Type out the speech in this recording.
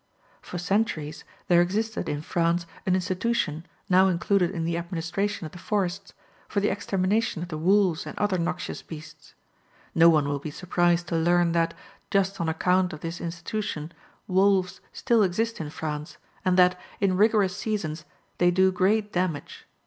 For centuries, there existed in France an institution, now included in the administration of the forests, for the extermination of the wolves and other noxious beasts. No one will be surprised to learn that, just on account of this institution, wolves still exist in France, and that, in rigorous seasons, they do great damage.